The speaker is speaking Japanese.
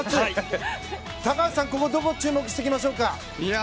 高橋さん、どこに注目していきましょうか？